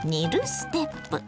ステップ。